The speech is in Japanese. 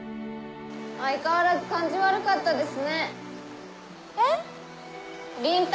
相変わらず感じ悪かったです